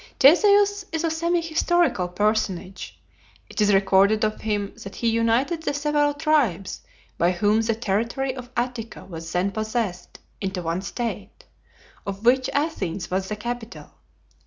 Theseus is a semi historical personage. It is recorded of him that he united the several tribes by whom the territory of Attica was then possessed into one state, of which Athens was the capital.